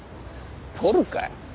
取るかよ。